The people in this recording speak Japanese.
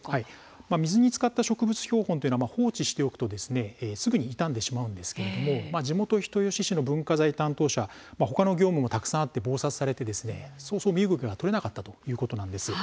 まず水につかった植物標本というのは放置しておくと、すぐに傷んでしまうんですけれども地元、人吉市の文化財担当者他の業務、たくさんあって忙殺されて身動きが取れないんですね。